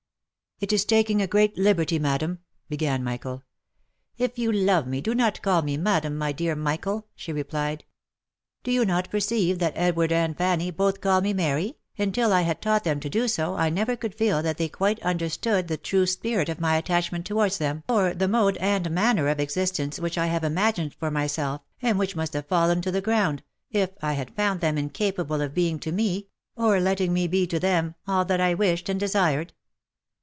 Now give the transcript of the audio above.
" It is taking a great liberty, madam," began Michael. "If you love me, do not call me madam, my dear Michael," she replied. " Do you not perceive that Edward and Fanny both call me 380 THE LIFE AND ADVENTURES Mary ? and till I had taught them to do so I never could feel that they quite understood the true spirit of my attachment towards them, or the mode and manner of existence which I have imagined for myself, and which must have fallen to the ground, if I had found them in capable of being to me, or letting me be to them, all that I wished and desired.